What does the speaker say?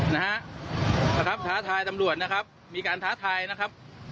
นะครับท้าทายตำรวจนะครับมีการท้าทายนะครับ